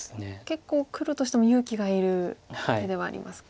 結構黒としても勇気がいる手ではあります。